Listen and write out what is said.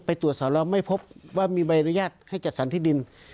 ไปตรวจสอบแล้วไม่พบว่ามีใบอนุญาตให้จัดสรรที่ดิน